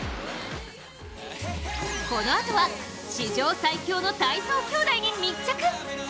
このあとは史上最強の体操兄弟に密着。